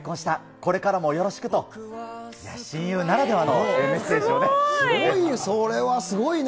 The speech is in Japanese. これからもよろしくと、親友ならではのメッセーすごい、それはすごいな。